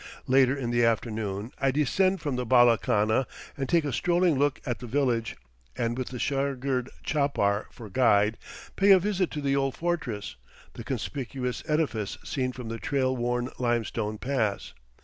Later in the afternoon I descend from the bala khana and take a strolling look at the village, and with the shagird chapar for guide, pay a visit to the old fortress, the conspicuous edifice seen from the trail worn limestone pass.